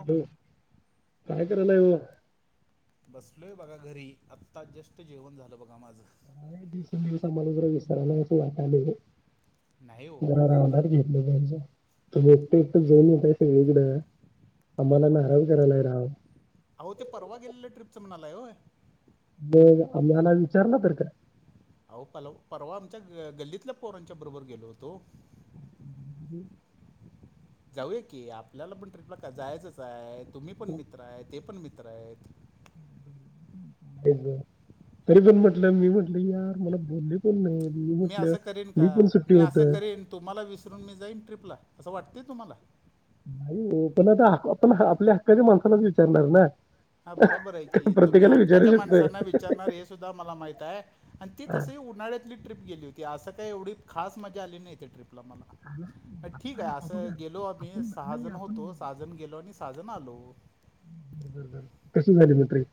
Hello, काय [unintelligible] बसलोय बघा घरी, आताच टेस्ट जेवण झालं बघा माझं. काही दिवसे दिवस मला विसरालय असं वाटालयं. नाही हो जरा [unintelligible] घेतलं पाहिजे तुम्ही एकटे, एकटे जाऊन येताय सगळीकडं आम्हाला नाराज करायला राव, आहो ते परवा गेलेल्या ट्रिपच म्हणालाय होय, म आम्हाला विचारल तर का, अहो पर परवा आमच्या गल्लीतल्या पोरांच्या बरोबर गेलो होतो. हम् जाऊय की, आपल्याला पण ट्रिपला का जायचंच हाय, तुम्ही पण मित्र आहे, ते पण मित्र मित्र आहेत. तरी पण म्हटलं मी म्हटलं यार मला बोलले पण नाहीत. मी असं करेन का? मी असं करीन तुम्हाला विसरून मी जाईन ट्रिपला, असं वाटतंय तुम्हाला नाही ओ पण आता आपण आपल्या हक्काच्या माणसालाच विचारणार ना, हा बरोबर आहे कारण की तुम्ही प्रत्येकाला विचारू हक्काच्या शकतोय माणसांना विचारणार हे सुद्धा मला माहित आहे. आणि ती हा, तस ही उन्हाळ्यातली ट्रिप गेली होती. असं काही एवढी खास मजा आली नाही. त्या ट्रिप ठीक आहे, हा अस बघा, गेलो आम्ही आपण सहा नाही जण आपण होतो सहाजण गेलो आणि आजुन आलो. बर, बर, बर कशी झाली म ट्रीप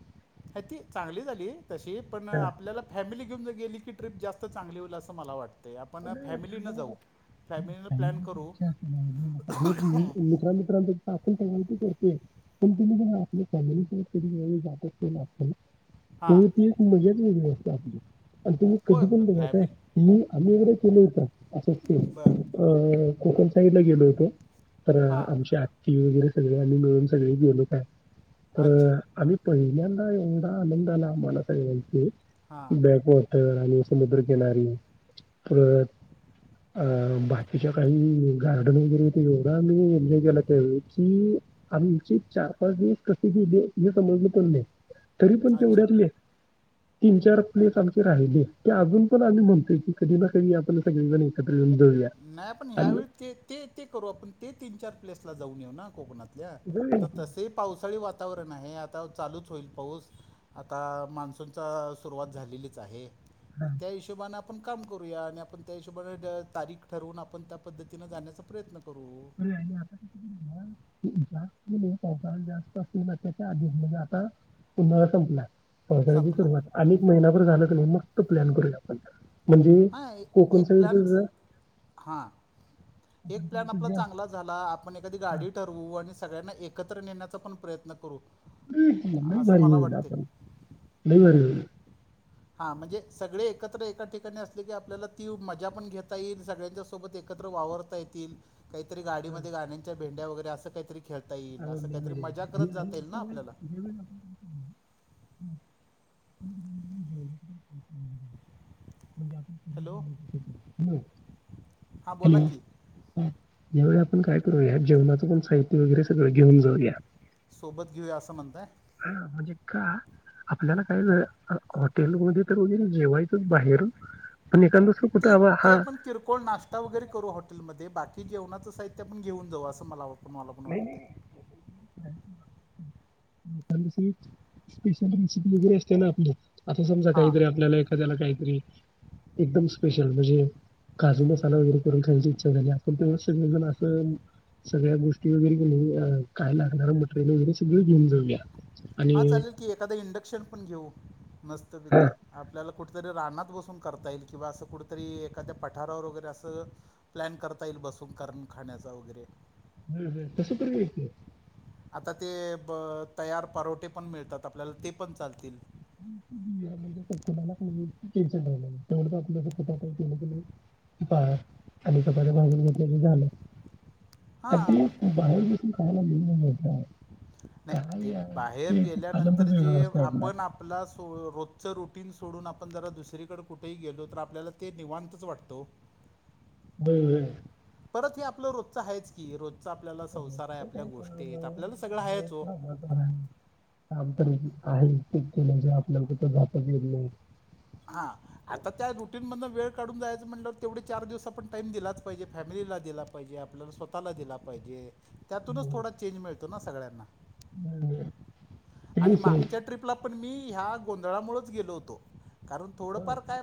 ती चांगली झाली तशी पण आपल्याला फॅमिली [unintelligible] गेली की ट्रीप जास्त चांगली होईल असं मला वाटतं. फॅमिलीनं प्लॅन करू च अस मित्रां मित्रां पाून [unintelligible] [unintelligible] [unintelligible] कोण तु ज आपली फॅम जात. [unintelligible] हां त्या ती एक मजाद व ववस्था आपली आणि तुम्ही होय कधी पण बघायचय. फॅमिली मी [unintelligible] [unintelligible] केल होता असंच ते बरं अ कोकण साईडला गेलो होतो तर हां आमची आत्ती वगैरे [unintelligible] आणि मिळून सगळे गेलो काय तर अच्छा आम्ही पहिल्यां अ ला ल ल ला मालासाग्यांची हां बॅकतर आणि समुद्रकिनारी अरे अ बाकीच्या काही गार्डन वगैरे ते एवढा आम्ही गेला. त्या कि आमचे चार पाच दिवस कसे गेले हे समजलं प नाही. तरी पण ते अच्छा उड्यातले तीन चार प्लेस आमचे राहिले ते अजून पण आम्ही म्हणतोय. कधी ना कधी आपण सगळीजण एकत्र येऊन जाऊया. नाय आपण ह्यावेळी ते ते ते करू आपण ते तीन चार प्लेसला जाऊन येउ ना कोकणत जाऊया आता की. तसेही पावसाळी वात वातावरण आहे आता चालूच होईल पाऊस आता मान्सूनचा सुरुवात झालेलीच आहे. त्या हिशोबान आप पण काम करूया आणि आपण त्या हिशोबाने तारीख ठरवून आपण त्या पद्धतीनं जाण्याचा प्रयत्न क बरे आहे आता कसं करूया एकदा पावसाळा जास्त असतोय तेच्या आधी म्हणजे आता उन्हाळा संपलाय. पावसाळ्याची संपला सुरुवात अनेक महिनाभर झालं कन मग तो प्लॅन करूया आपण म्हणजे हा कोकण एक प्लन साईडचं जरा च हा एक प्लॅन आप आपल चांगला झाला आप एखादी हां, गाडी ठरवू आणि स सगळ्यांना एकत्र नेण्याचा पण प्रयत्न करू लई असं भारी मला होईल वाटते आपण लई भारी होईल हा म्हणजे सगळे एकत्र एका ठिकाणी असले की आपल्याला ती मजा पण घेता येईल सगळ्यांच्या सोबत एकत्र वावरता येतील काहीतरी गाडीमध्ये गाण्यांच्या भेंड वैरे अस काहीत आ मज य आणि ना आपल्या आपल्याला [inaudible] हॅलो म्हणज हां बोला हॅलो की ण कायू जवणाचं पणह्य वगैरे सगळं घेऊन जाऊया सोबत घेऊया असं म्हणताय हा म्हणजे का आपल्याला काय हॉटेलमध्ये तर वगैरे जेवायचंच बाहेर पण एखाद दुसरं ते कुठं हवा ते हा आपण किरकोळ नाश्ता वगैरे करू हॉटेलमध्ये बाकी तेी जेणाचं साह्यण घेऊन जाऊं असं मला वाटतं नाही नाही स्पेशल प्रेसिपी वगैरे असते ना आपल्या असं समजा हां काहीतरी आपल्याला एखाद्याला काही एकदम स्पेशल म्हणजे काजू मसाला वगैरे करून खायची इच्छा झाली आपण तेव्हा सगळेजण असं सगळ्या गोष्टी वगैरे को काय लागणारं मटेरियल वगैरे सगळं घेऊन जाऊया आणि हा चालेल की एखादा इंडक्शन पण घेऊ हा मस्त ै आपल्याला कुठेतरी राह बसून करता येईल किंवा असं कुठेतरी एखाद्या पठारावर वगैरे असं प्लॅन करता येईल बसून कर खाण्याचा वगैरे ह ह तसं तरच आता ते ब तयार परवठे पण मिळतात आपल्याला ते पण चालतील म्हणजेणाला आपट खपाला बाजून घेतल्या झालं अदी हां बाहेर बस का ब नाही ते बाहेर गेल्यानंतर आनंदच जे वेगळा असतो आपण आपला सो रोजचं रुटीन सोडून आपण जरा दुसरीकडें कुठेही गेलो तर आपल्याला ते निवांतच वाटतो हो हो परत हे आपलं रोजचं आहेच की रोज रस्त काय काम आपल्याला सगळं आहे आहेच हो काम काम तर आहे केलं आपल्याला कठ जातच येत नाही हा आता त्या रुटीन मध वेळ काढून जायचं म्हटलं तेवढे चार दिवस आपण टाइम दिलाच पाहिजे फॅमिलीला दिला पाहिजे आपल्याला स्वतःला दिला पाहिजे त्यातूनच थोडा चेंज मिळतो ना सगळ्यांना नाही आणि असंच आहे मागच्या ट्र्रीपला पण प मी ह्या गोंधळामुळेच गेलो होतो कारण हं, हं. थोडंफार काय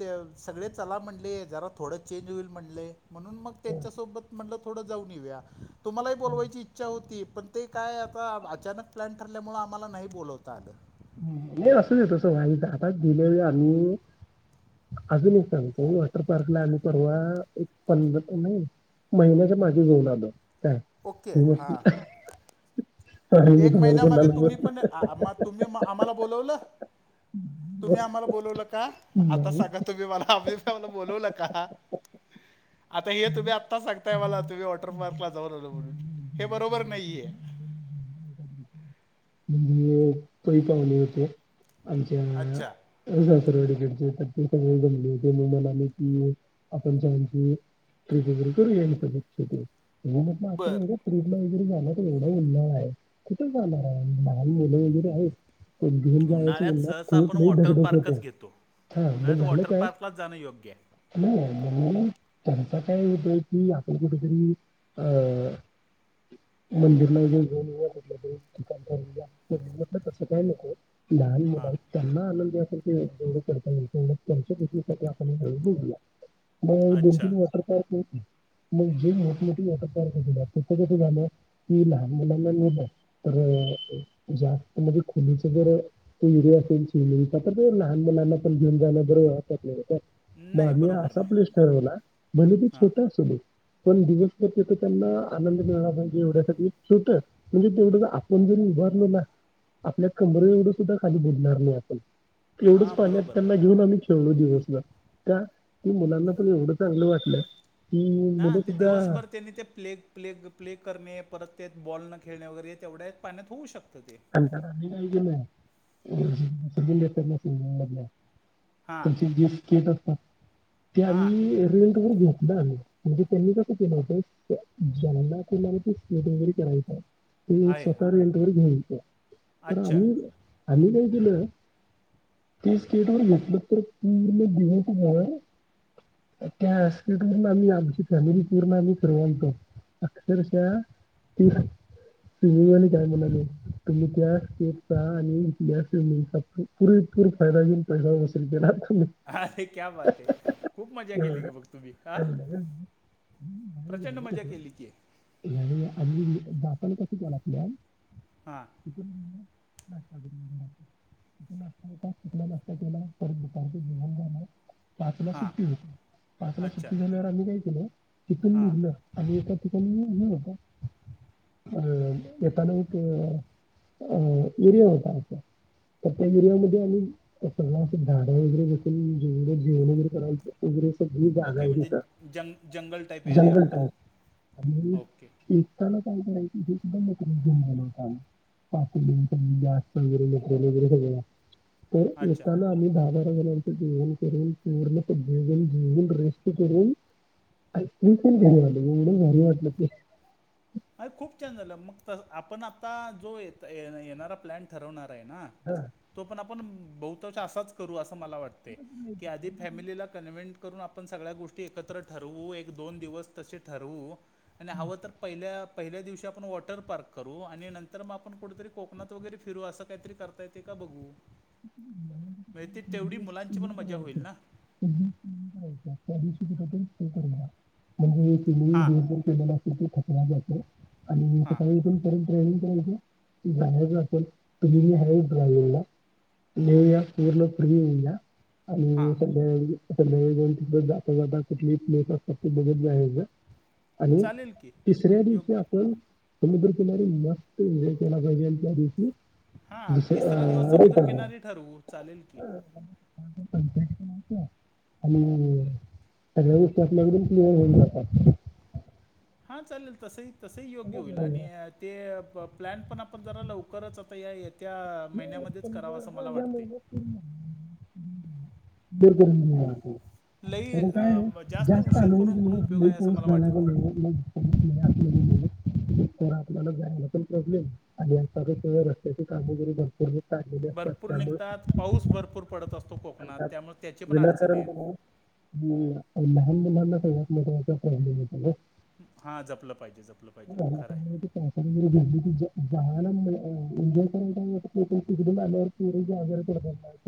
ते सगळे चला म्हणले जरा थोडं चेंज होईल म्हणले म्हणून मग त्यांच्यासोबत म्हटल पुढं जाऊन येऊया तुम्हालाही बोलवायची इच्छा होती पण ते काय आता अचानक प्लॅन ठरल्यामुळे मला नाही बोलवता अगं नाही असंच येत असई आताच गेल्या वळी आम्ही अजून एक सांगत वॉटर पार्कला आम्ही परवा एक पंध महिन्याच्या मागे घेऊन आलो [inaudible] का ओके हां त ह म एक तुम्हालक महिन्यामागे नल तुम्ही मण पण आ- आम्हा- [inaudible] तुम्ही आम्हाला बोलवलं तुम्ही आम्हाला बोलवलं का आता नाही सांगा तुम्ही मला आम्हाला बोलवलं आता हे तुम्ही आता सांगताय मला तुम्ही वॉटर पार्कला जाऊ आलो म्हणून हे बरोबर नाहीये ह काही पाहले होते आमच्या अच्छा सड तरग जमले होते मग मला कि आपण री करूलछो [inaudible] एवढ बर एवढं उन्हाळा आहे कुठे जाणार जर आहे पण घेऊन जायचं उन्हाळ्यात उन्हात सहसा खूप आपण लई वॉटर धगधग होते पार्कच घेतो हा मग उन्हाळ्यात वॉटर पार्कलाच जाणं योग्य आहे म्हणून त्यांचा काय होतय कि आपण कुठेतरी अ मंदिरलाऊ घेऊन येऊ ठी आहे धन्यवादटलं तसं काय नको ान हां मुलाई त्यांना आनंद त्यांच्या आप मग दोन अच्छा तीन वॉटर पार्क हो मग हे मोम त झालं की लहान मुलां तर जास्त म्हणजे खुलीच जर पर असेल चिचा तर लहान मुलांना पण घेऊन जाणं बरब वा नाही म मी बरोबर असा प्लेस नाही ठरवला म्हणे त हां छोटा असधो पण दिवसभर तथ त्यांना आनंद मिळणार म्हणजे एवढ्यासाठी सुट म्हणजे तेवढं आपण जर उभारलो ना आपल्या कमर एवढं सुद्धा खाली बुोलणार नाही आपण तेवढंच हां पाणी बरोबर त्यांना घेऊन आम्ही खेळलू दिस त्या मुलांना पण एवढं चांगलं वाटलंय ना ते दिवसभर त्यांनी ते प्ले प्ले प्ले करणे परत ते बॉल न खेळणे वगैरे तेवढ्याच पाण्यात होऊ शकं अ [inaudible] हां, त्यांची गिफ्ट केट ह [unintelligible] ते हां. आम्ही रिट वगर घेऊो ना आम्ही [unintelligible] म्हणजे त्यांनी कसं केलं होतं जनला स्ट वगैरे करायचं [unintelligible] ती आहे, हां. स्वतः एंटरवरी घेईल [inaudible] तर आम् अच्छा. [unintelligible] आम्ही काय केलं ते स्केट वर घेतलं तर पूर्ण गेऊ त त्या स्केट व आम्ही आमची फॅमिली पूर्ण आम्ही फिरव आणतो अक्षरशः त फ आणि काय म्हणाले [inaudible] तुम्ही त्या स््टेपचा आणि या समंगचा पुरेपूर फायदा घऊन पैसा वसूल केला तुम्ही अरे! क्या बात आहे. खूप मजा केली एवढं. की, बघ तुम्ही. अ, आणि लगेच बाहेर प्रचंड झालं मजा कसं केली की. दातल कशी गला असल्या [unintelligible] हा? त लाते परत जव [unintelligible] पाचला हां. सुट्टी होती. पाचला अच्छा. सुट्टी झाल्यावर, आम्ही काय केलं? तिथून हां. निघलं आणि [inaudible] ाणी हे होता अ येताना एक [inaudible] अ एरिया होता असा तर त्या एरियामध्ये आम्ही सगळा असं झाडा वगैरे बसून जेवढं जेवण वगैरेराच वगैरे [unintelligible] ी ओके म्हणजे जागायरीच जंग जंगल टाइप एरिया जंगल होता. आणि ओके. एक काय कराय सुद्धन गल होता आ [unintelligible] पा जास्त वगैरेल वगैरे सग [inaudible] अच्छा. येताना आम्ही दहा बारार्यंत [unintelligible] जवनून पूर्णव जव रून जडट अरे! खूप छान झालं. मग आपण आता जो, येणारा प्लॅन ठरवणार. हां तो पण, आपण- बहुत, असाच करू असं. मला वाटते की, आधि फॅमिलीला कन्वेंट- करून, आपण सगळ्या गोष्टी, एकत्र ठरवू. एक, दोन दिवस तसे ठरवू. आणि हवं तर, पहिल्या- पहिल्या दिवशी आपण वॉटर पार्क करू, आणि नंतर मग, आपण कुठेतरी कोकणात वगैरे फिरू, असं काहीतरी करता येते का बघू. [inaudible] बद्दल ती तेवढी म्हणजे मुलांची पण मजा होईल ना [unintelligible] त हां दोरदूर पला [unintelligible] क कला जच [unintelligible] आणि हां काही इथून करर्यंत रा [unintelligible] जाच असेल तुम आहे रा [inaudible] नव या ओके पूर्ण पुडवी [inaudible] ह [unintelligible] आणि हां सध्या. आता नवीन तिथ जाता जाता कुठली प्लेस असतात त बघत जायचं आणि चालेल की तिसऱ्या दिवशी योग्य आपण तुम तमारी मस्त वे त्या दिवसशी हा तिसरा दिवस समुद्र किनारी ठरवू चालेल की. [inaudible] आणि सगळ्या गोष्टी आपल्याकडून होऊन जातात. हा चालेल तसही. तसही योग्य होईल आणि ते प्लॅन पण आप. आपण जरा लवकरच आता या [inaudible] द [inaudible] येत. लई कारण काय अ, म- जास्त उशीर आूनऊस करून पण उपयोग आहे असं बीनऊन मला वाटत झाणार नाही. आपल्याला जायला पण प्रॉब्लेम आणि आता का रस्त्याची कामगरी. भरपूर निघतात पाऊस भरपूर पडत असतो कोकणात त्यामुळे त्याची [inaudible] पण अडचणी विनाकारण. आहेत [inaudible] [inaudible] [inaudible] हां जपलं पाहिजे जपलं पाहिजे खरं आहे तिकडून आल्या वर पोरी आजारी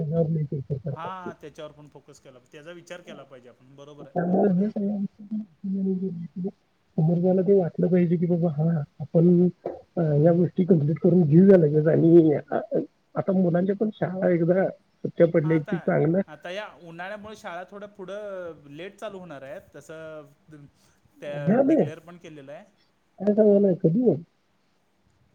तेन [inaudible] हा त्याच्यावर पण फोकस केला त्याचा विचार केला पाहिजे बरोबर आहे. त्यामुळे बरोबर आहे. अमजला ते वाटलं पाहिजे की बाबा हा आपण या्या गोष्टी कंप्लीट करून घेऊया लगेच आणि येऊया. आता मुलांच्या पण शाळा एकदा. सुट्ट्या हा पडल्या की आता चांगलं आता या उन्हाळ्यामुळे शाळा थोडं पुढं. लेट चालू होणारायत तसं. त्या या डिक्लेअर पण केलेलं आहे म्हणला कधी.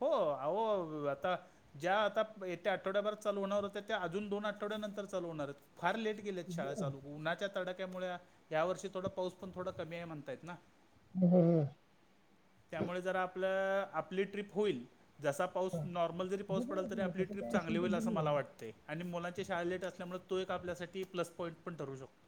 हो. अहो आता ज्या आता येत्या आठवड्याभरात चालू होणार होत्या त्या अजून दोन आठवड्यानंतर चालू होणार आहित. फार लेट गेलेत शाळा चालू उन्हाच्या तड्या. त्यामुळं या वर्षी थोडं पाऊस पण थोडं कमी आहे म्हणतात ना [unintelligible] त्यामुळ जर आप आपल आपली ट्रीप होईल. जसा पाऊस हा. नॉर्मल जरी पाऊस पडल बघूया तरी की मग आपली तसं ट्रीप काय चांगली असेल तर होईल असं बघूया मला वाटतय आणि मुला शाळा लेट असल्यामुळे तो एक आपल्यासाठी प्लस पॉईंट पण ठरू शकतो.